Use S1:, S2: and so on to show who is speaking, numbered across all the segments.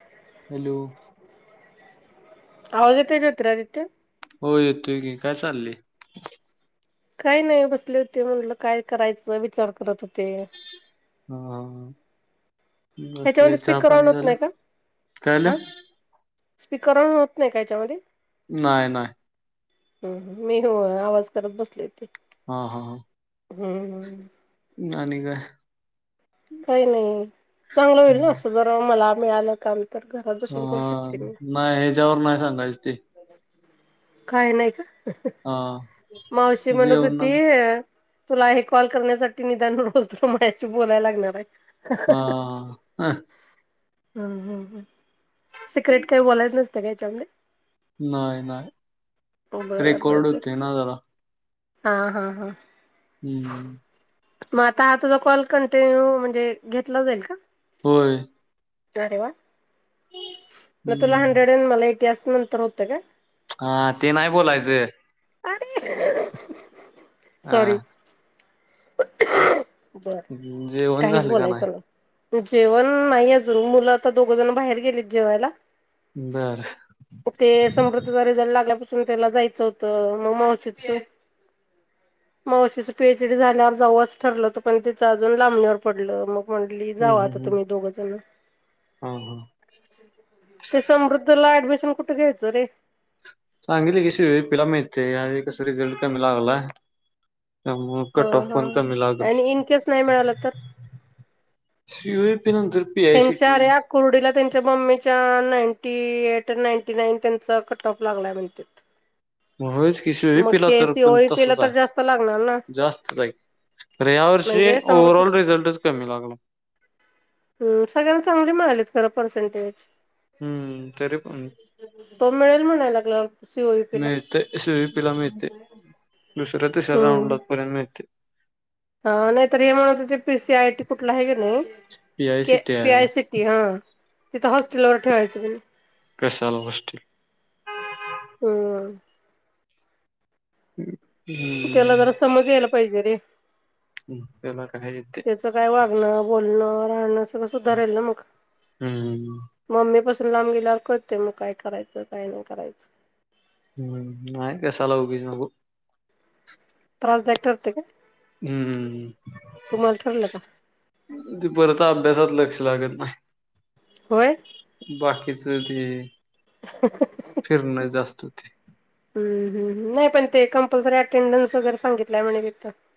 S1: ह
S2: हॅलो
S1: ह जेत ज्योत आदित्य
S2: हो येतोय की काय चाललेय
S1: काही नाही बसले होते म्हणलं काय करायचं विचार करत होते
S2: हा बाकी काय
S1: ह्याच्यामध्ये
S2: चहा
S1: स्पीकर ऑन
S2: पाणी
S1: होत
S2: झालं
S1: नाही का?
S2: काय आलं
S1: स्पीकरण होत नाही का याच्यामध्ये
S2: नाही नाही
S1: हम् मी हो आवाज करत बसल होे
S2: हा हा हा
S1: हम्म
S2: नाही काय
S1: काही नाही चांगलं होईल ना असं जर मला मिळालं काम तर घरात
S2: ह
S1: बसून करू शकते मी.
S2: नाही हच्यावर नाही सांगायच ते
S1: काय नाही का
S2: हा
S1: मावशी म्हणत
S2: जेवण
S1: होती तुला हे कॉल करण्यासाठी निदान रोज रमशी बोलायला लागणार बा
S2: हा
S1: हम्म हम् हम्. सिक्रेट काही बोलायच नसते काय चचाले
S2: नाही नाही
S1: बर बर
S2: रेकॉर्ड
S1: बर
S2: होते ना झाला
S1: हा हा हा
S2: हम्म
S1: म आ हा तुझ कॉल कंटिन्यू म्हणजे घेतला जाईल का
S2: होय
S1: अरे वा म तुला
S2: हम्म
S1: हंड्रेड अड मला ए इतिहास नंतर होतं का
S2: हा ते नाही बोलायचें
S1: आणि [unintelligible]
S2: हा
S1: [unintelligible]
S2: जेवण
S1: काहीच
S2: झाल का न्हाय
S1: बोलायचं नाही. जेवण नाही अजून मुलं आता दोघ जण बाहेर गेलीत जेवायला
S2: बर
S1: ते समृद्धचा रिझल्ट लागल्यापासू - त्याला जायचं होत मग मावशीच मावशीच पे- ल्यावर जाऊच ठरलं पण तिच अजून लांबणीवर पडलं मग म्हटली म
S2: हम्म
S1: जावा आता
S2: हम्म हम्म
S1: तुमी दोगजन
S2: हा हा
S1: त समृद्धला ऍडमिशन- कुठे घ्यायच रे
S2: चांगली [unintelligible] पिला मिळतंय या वेळ कस रिझल्ट का मि लावलाय त्यामुळं
S1: हा
S2: कट ऑफ
S1: हा
S2: पण कमी लागल
S1: आणि इन केस नाही मिळालं
S2: [unintelligible] पी आय सी टी
S1: त्यांच्या्या कुर्डीला त्यांच्या त्या मम्मीच्या नाईंटी एट नाईंटी नाईन त्यांचा कट ऑफ लागलाय म्हण
S2: म होय च [unintelligible] वे पिला तर पण
S1: ला
S2: तसच
S1: तर जास्त लागणार ना
S2: आहे जास्तच हाय पण या वर्षी
S1: म्हणजे
S2: ओ्हर ऑल
S1: समृद्धच
S2: रिझल्टच कमी लागलाय
S1: स र परसेंटेज
S2: तरी पण
S1: तोमिळेल म्हणाय लागला त सिओयापीला
S2: तिला मिळतंय दुसऱ्या तिसऱ्या
S1: हम्म
S2: राऊंडपर्यंत मिळतंय ते
S1: हा नाही तर हे म्हणत ते पी सी आय टी कुठला आहे क नाही
S2: P I C
S1: K
S2: T
S1: P
S2: आहे
S1: आय सी टी हा ती तर हस्टेलवर ठेवायचन ना
S2: कशाल गोष्टी
S1: हम्म
S2: हम्म
S1: त्याला जरा समज यायला पाहिजे रे
S2: त्याला काय येते
S1: त्याच काय वागणं बोलण नारायण तो सुधारेल ना मग
S2: हम्म
S1: ममीपासन - न लांब गेल्यावर कळते मग काय करायचं काय नाही करायचं
S2: हम्म नाही कसाला उगीच नगू
S1: त्रासदा्यायक ठरते का
S2: हम्म
S1: तुम्हाला ठरलं का
S2: ते परता अभ्यासात लक्ष लागत नाही. बा.
S1: होय.
S2: बाकीचते फिरण जास्त
S1: नाही पण ते कंपल्सरी अटेंडन्स वगैरे सांगितल्याय म्ह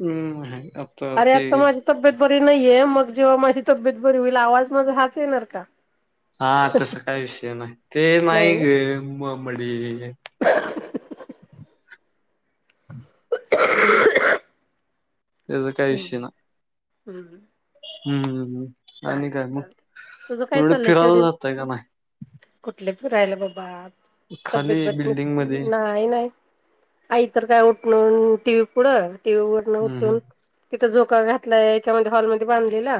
S2: हम्म ह आता अ ते.
S1: माझी तब्येत बरी नाहीये मग जेव्हा माझी तब्येत बरी होईल आवाज माझा हाच येणार का?
S2: हा तस काय विषय नाही ते नाही ग म मडी
S1: खों खॅ.
S2: त्याचा काही विषय ना.
S1: हम्.
S2: हम् हम हम्. आणि काय
S1: चालते. तुझं काय
S2: मगथोड
S1: चाललंय
S2: फिरायला
S1: शेड्यूल
S2: जातय का नाही.
S1: कुठले फिरायला बाबा.
S2: खाली
S1: तब्येत बरी
S2: बिल्डिंग
S1: नसती
S2: मध्ये
S1: नाहीय नाही. आई तर काय उठलं टी व्ही पुढं. टीव्ही वरून
S2: हम्म
S1: उठून तिथं झोका घातलाय याच्यामध्ये हॉलमध्येध्ये बांधलेला.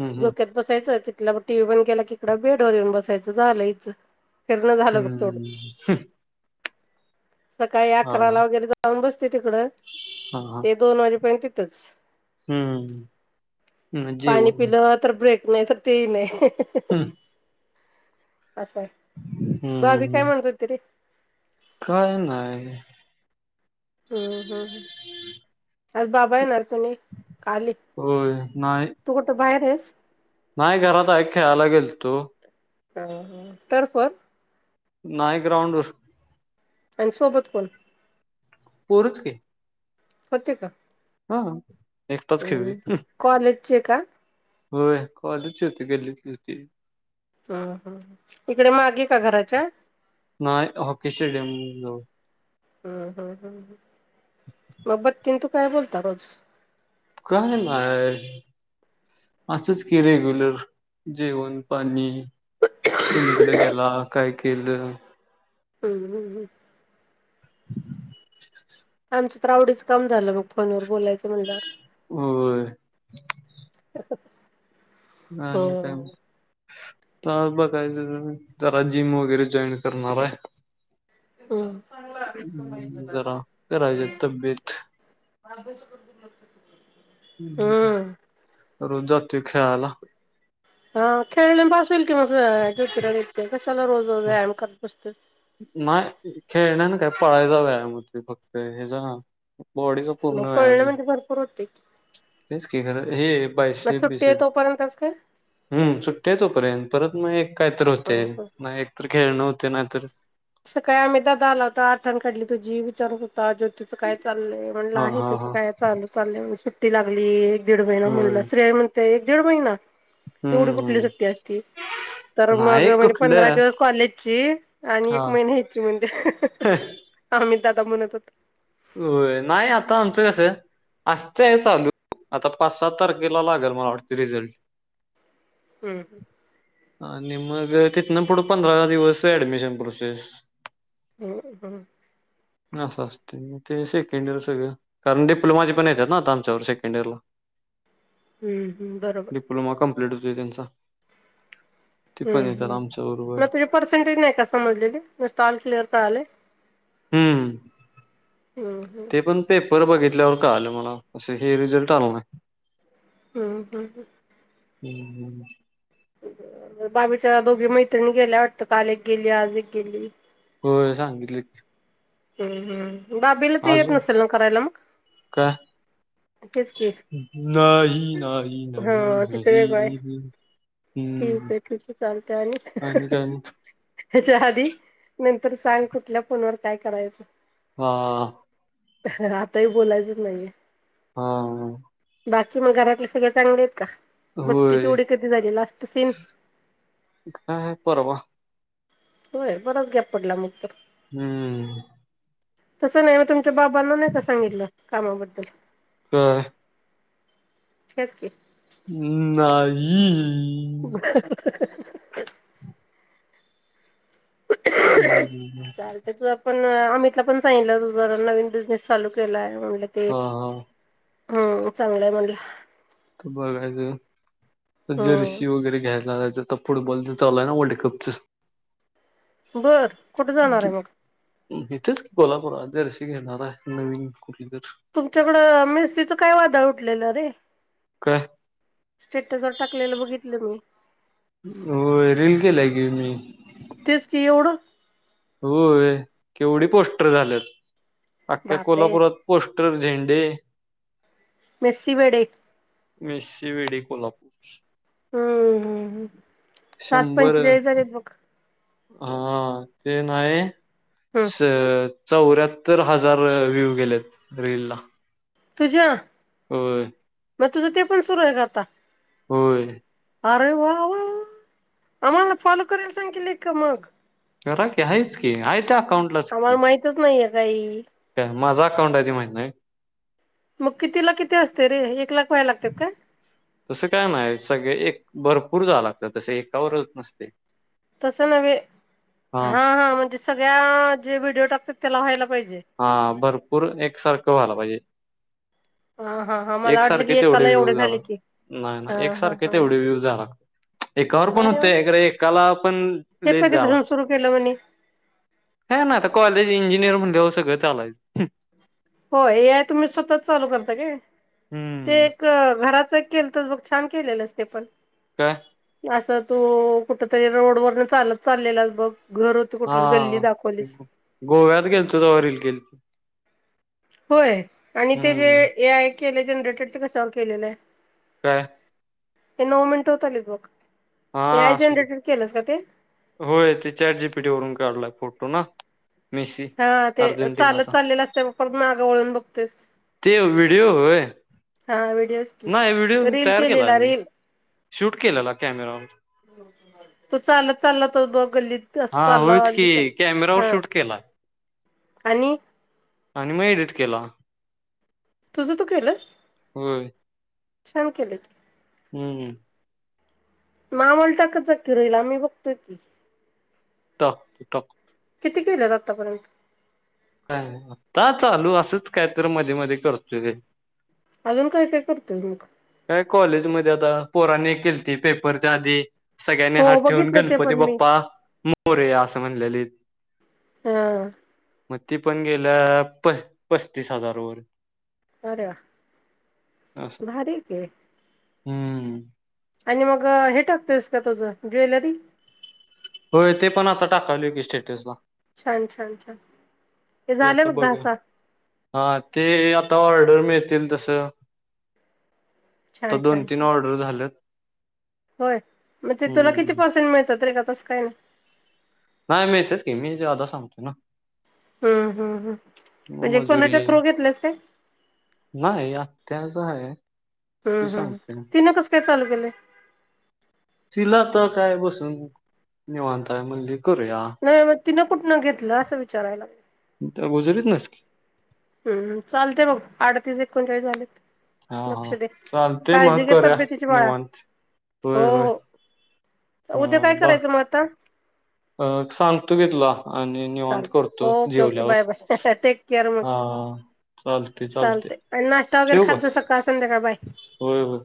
S2: हम्म हम्म
S1: झोक्यात बसायचं. टीव्ही बंद केला कि इकड बेडवर येऊन बसायचं झाल ईच फिरण झालं बघ
S2: हम्म
S1: थोडंच.
S2: हम्म
S1: सकाळी
S2: हा
S1: अकराला वगैरे जाऊन बस. तिकड
S2: हा हा
S1: ते दोन वाजेपर्यंत तच
S2: हम्म. न,
S1: पाणी
S2: जेवण
S1: पिलं तर ब्रेक. नाही तर तेही नाही. हाँ हाँ.
S2: हम्म
S1: असं आहे भाभी काय
S2: हम्म
S1: म्हणत होती रे.
S2: काय नाही.
S1: हम्म हम् ह् आज बाबा आहे ना. काली
S2: होय नाही
S1: तू कुठं बाहेर आहेस? ह.
S2: नाही घरात आहे खेळायला गेलतो
S1: ह तर फण
S2: नाही ग्राउंडवरर
S1: आणि सोबत कोण
S2: पोरच कि
S1: होते का
S2: अंहम एकटाच खेळवी
S1: चे का
S2: होय कॉलेजची होती गल्लीतली होती
S1: हम्म हम् इकडे मागे का घराच्या
S2: नाही हॉकी स्टेडियम जवळ
S1: हम्म हम्म हम् मग बति आणि तू काय बोलता रोज
S2: काय नाय असंच की रेग्युलर जेवण पाणी कुणीकडे गेला काय केलं
S1: हम्मम हम्म हम् आमच्या तर आवडीच काम झालं मग फोनवर बोलायचं म्हणल्यावर
S2: होय नाही नाही काय
S1: हम्म
S2: नाही आता बघायचं जरा जिम वगैरे जॉईन करणार आहे
S1: हम
S2: हम्म जरा करायचे तब्येत
S1: अभ्यासापुरत
S2: हम्म रोजात ते खेळाला
S1: हा खेळल्या पास [unintelligible] [unintelligible] कशाला रोज रोज व्यायाम करत तर
S2: नाय खेळण्यांन काय पायाचा व्यायाम होतोय फक्त हेजा बॉडीच
S1: मग
S2: पूर्ण आहे
S1: पळणे म्हणजे भरपूर होते
S2: हेच क खर हे
S1: मग
S2: [unintelligible]
S1: सुट्टी आहे तोपर्यंतच काय
S2: [unintelligible] हम्म सुट्ट तोपर्यंत परत मग एक काहीतर होतय
S1: हम्म
S2: ना एकतर खेळणं ते नाहीतर
S1: सकाळी अमितदादा आला होता आठवण काढली तुझी विचारत हो जोतीचं काय चाललंय म्हणलं
S2: हां,
S1: आहे
S2: हां,
S1: तिचं
S2: हां.
S1: काय चाल चाललंय ती लागली दीड महिना
S2: होय.
S1: म्हटल श्रेया म्हणत्या एक दीड महिना एवढी कुठली
S2: हम्म.
S1: सुट्टी असती तर मग
S2: नाही
S1: म्हणजे पंधरा
S2: कुठलं
S1: दिवस कॉलेजची आणि
S2: हां.
S1: मी न्यायची म्हणत्या आम्ही दादा म्हणत होतं.
S2: होय नाही आता आमचं कसं असतंय चालू आता पाच सात तारखेला लागेल मला वाटतय रिझल्ट
S1: हम्म हम्म
S2: हा निम्मं घर तिथनं पुढं पंधरा दिवस ऍडमिशन प्रोसेस
S1: हम् हम्
S2: अस असं तय म ते सेकंड इयर सगळं कारण डिप्लोमाचे पण येत्यात ना आता आमच्याबर सेकंड इयरला
S1: हम्म हम्म बरोबर
S2: डिप्लोमा कंप्लीट होतोय त्यांचा ते पण
S1: हम्
S2: येतात
S1: हम् मग
S2: आमच्याबरोबर.
S1: तुझे पर्सेंटेज नाही का समजलेले नुसतं ऑल क्लिअर कळालय.
S2: हम्म ते पण पेपर बघित ल्यावर कळालं मला असं हे रिझल्ट आला नाई
S1: हम्म हम्म हम्
S2: हम्म हम्म
S1: बाबीच्या दोघी मैत्रिणी गेल्या वाटतं, काल एक गेली आज एक गेली.
S2: हो सांगितलं की
S1: हम्म हम्म बाबीला ते येत
S2: अजून
S1: नसल ना करायला मग
S2: काय
S1: तेच की
S2: नाही नाही नाही
S1: हा तिचं
S2: नाही
S1: वेगळय
S2: हम्म
S1: ठीके ठीके चालतय आणि
S2: आणि काय मग
S1: त्याच्या आधी नंतर सांग कुठल्या फोनवर काय करायचं
S2: हा.
S1: आताही बोलायचच नाहीेये
S2: हा.
S1: बाकी म घरातले सगळे चांगलेत का? बत्ती
S2: होय
S1: तेवढी कधी झाली लास्त सीन
S2: काय परवा
S1: होय बराच गॅप पडला मग तर
S2: हम्म
S1: तसं नाही मग तुमच्या बाबांना नाही का सांगितलं कामाबद्दल
S2: काय?
S1: हेच की
S2: नाई ई
S1: [inaudible] [inaudible] चालतंय तुझं
S2: हो
S1: पण अमितला पण सांगितलं तु जरा नवीन बिझनेस चालू केलाय म्हड ते
S2: हा हा
S1: हम्म चांगलंय म्हणजे
S2: ख ब कायच
S1: हम्म.
S2: जर्शीी वगैरे घ्यायलायचात आता फुटबॉलच चालूय ना वर्ल्ड कपच
S1: बर कुठे जाणार आहे मग
S2: इथेच गोलापात जरे स घे नाारा नवीन कुली
S1: तुमच्याकडं मिरसचं काय वादळ उठलेलं रे
S2: का
S1: स्टेटस वर टाकलेलं बघितलं मी
S2: हो रीलल केला गे मी
S1: तेचकी होढ
S2: होय केवढी पोस्टर झालेत अख्ख्या
S1: बापरे
S2: कोल्हापुरात पोस्ट क्र झेंडे
S1: मेस्सी वेडे
S2: मेस वेडी कोल्हापूर
S1: हम्म हम् सात
S2: शंभर
S1: पंचेचाळीस हार आहेत मघ
S2: हा ते नाही
S1: हम्म
S2: अ चौऱ्याहत्तर हजार व्ह्यू गेलेत रेल ला
S1: तुझ्या
S2: हो
S1: मग तुझं ते पण सुरू आहे का आता
S2: होय
S1: अरे वा वा आम्हाला फॉलो करायला सांगील मग
S2: करा क आहेच की आहेय
S1: आम्हाला माहितच नाहीये काही
S2: मण
S1: मग किती ला किती असते रे एक लाख व्हायला लागतात का
S2: तसं काय नाही सगळे एक भरपूर जावं लागतं तसे एकावरच नसते
S1: तस न् हा हा म्हणजे सगळ्या जे व्हिडिओ टाक तेला
S2: हा भरपूर एकसारखं व्हाला पाहिजे
S1: हा हा हा मला वाटलं की
S2: एकसारखे तेवढे
S1: एकाला एवढे
S2: व्ह्यू झाला
S1: झाले की
S2: नाही ना
S1: हा हा
S2: एकसारखे
S1: हा
S2: तेवढे व्ह्यू झाला एकावर पण
S1: अरे वा
S2: होते एकाला पण
S1: हे
S2: लेस झाला
S1: कधीपासून सुरू केलं म्हणे
S2: ह ना आता कॉलेज इंजिनियर म्हण कं घ आलाय
S1: हो एय तुम्ही स्वतत चालू करता का ते
S2: हम्म
S1: एक घरात केलं तर ब छान केलेलंच ते पण
S2: काय
S1: असं तो कुठेतरी रोड वरन चालत चाललेला बघ घर होती
S2: हा
S1: कुठली गल्ली दाखवलीस
S2: गोव्यात गेल तो ज वरील गेल
S1: होय आणि ते जे केलंय जनरेटर ते कसवर केलेलं आहे
S2: काय
S1: ए नो मििटो त ल बुक
S2: हा
S1: ए आय
S2: असू दे.
S1: जनरेटर केलंस का ते
S2: होय ते चॅट जीपीटी वरून काढलात फटू ना मेसी.
S1: हा ते चालत
S2: अर्जेंटिनाचा
S1: चाललेल असते बापर मागं वळून बघतेस
S2: ते व्हिडिओ होय
S1: हा व्हिडिओच की
S2: नाही व्हिडिओ
S1: रील
S2: तयार केला
S1: केलेला
S2: मी
S1: रील
S2: शूट केलेला कॅमेरावर
S1: चाल
S2: हा होयच की कॅमेरावर
S1: हा
S2: शूट केला
S1: आणि
S2: आणि मग एडिट केला
S1: तुझं तू केलंस
S2: हो
S1: शम केले क
S2: हम्म हम्.
S1: मा म्हलतााकचा ककी रहिलाम मही बघतोय की
S2: तक
S1: किती गेलेत आतापर्यंत
S2: का नाही आता चालू असंच काय तर मध्येे मध्ये करतो
S1: अजून काय काय करतेय मक
S2: काय कॉलेजमध्येध्ये आता पोराने केल त पेपरच्या आधी सगळ्यांनी
S1: हो
S2: हात ठेवून
S1: बघितलं ते
S2: गणपती
S1: पण मी
S2: बाप्पा मोरे अस समज ललित
S1: हम
S2: मग ती पण गेल्या प पस्तीस हजार वर
S1: अरे
S2: असं
S1: भारी ते
S2: हम्म
S1: आणि मग हे टाकतोयस का तुझं ज्वेलरी
S2: होय ते पण आता टाकाल की स्टेटस ला
S1: छान छान छान हे
S2: ते
S1: झाले
S2: आता
S1: बघ दहा
S2: बघा
S1: सहा
S2: हा ते आता ऑर्डर मिळतील तस
S1: छान छान छान होय मग ते तुला किती
S2: हम्म
S1: पर्सेंट मिळतात रे का तसक ना
S2: नाही मिळतेच की मी ज्यादा सांगतो ना
S1: हम्म हम् हम म्हणजे
S2: मजुरी
S1: कोणाच्या थ्रू घेतलास का
S2: त्याचं आहे
S1: हम्म
S2: ती
S1: हम्म
S2: सांगते
S1: तिन कस काय चालू केलंय
S2: तिला आता काय बसून निवांत हाय म्हणली करूया
S1: नाही मग तिनं कुठनं घेतलं असं विचारायला
S2: गुजरीतनसकी
S1: हम् चालतेय बघ अडतीस एकोणचाळीस झालेत
S2: हा
S1: लक्ष
S2: हा
S1: दे
S2: चालते
S1: काळजी
S2: मग
S1: घे
S2: करूया
S1: तब्येतीची बाळा
S2: निवांत
S1: हो
S2: होय होय
S1: हो
S2: हा
S1: उद्या काय
S2: बा
S1: करायचं मग आता
S2: सांगतो की तुला आणि निवांत
S1: चालते
S2: करतो
S1: ओके ओके बाय
S2: जेवल्यावर
S1: बाय टेक केअर मग
S2: हा
S1: चालते आणि नाष्टा वगैरे
S2: ठेवू
S1: खात
S2: का
S1: जा सकाळ संध्याकाळ बाय
S2: होय होय